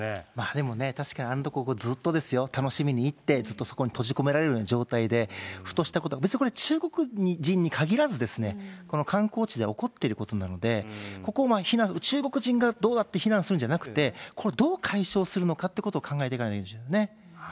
でもね、確かに、ここずっとですよ、楽しみに行って、ずっとそこに閉じ込められるような状態で、ふとしたことが、別にこれ中国人に限らずですね、観光地で起こってることなので、ここを非難、中国人がどうだって非難するんじゃなくて、どう解消するのかってことを考えなきゃですね。